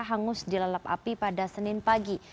hangus dilalap api pada senin pagi